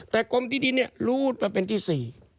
แต่กรมที่ดินรู้มาเป็นที่๔